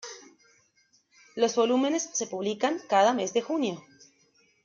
Los volúmenes se publican cada mes de junio.